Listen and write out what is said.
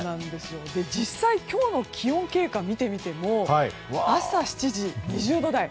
実際今日の気温経過を見てみても朝７時、２０度台。